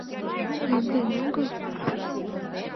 — Монден отыл?